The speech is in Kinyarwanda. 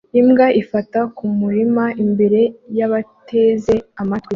Imbwa ifata kumurima imbere yabateze amatwi